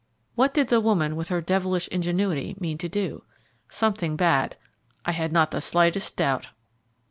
What did the woman, with her devilish ingenuity, mean to do? Something bad, I had not the slightest doubt.